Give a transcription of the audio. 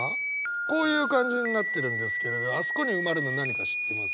こういう感じになってるんですけどあそこに埋まるの何か知ってます？